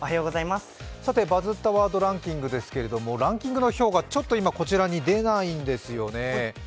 「バズったワードデイリーランキング」ですけど、ランキングの表が今こちらに出ないんですよね。